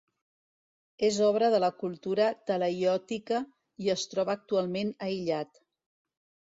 És obra de la cultura talaiòtica i es troba actualment aïllat.